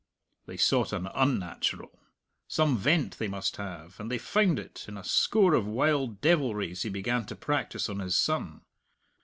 They sought an unnatural. Some vent they must have, and they found it in a score of wild devilries he began to practise on his son.